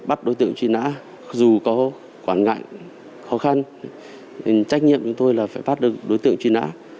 bắt đối tượng truy nã dù có quản ngại khó khăn trách nhiệm của chúng tôi là phải bắt được đối tượng truy nã